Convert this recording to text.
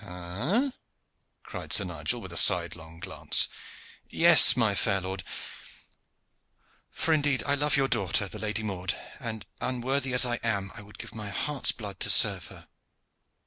"Ha!" cried Sir Nigel, with a sidelong glance. "Yes, my fair lord; for indeed I love your daughter, the Lady Maude; and, unworthy as I am, I would give my heart's blood to serve her."